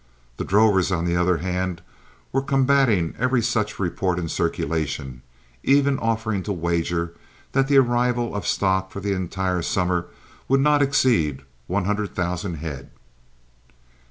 The drovers, on the other hand, were combating every report in circulation, even offering to wager that the arrivals of stock for the entire summer would not exceed one hundred thousand head.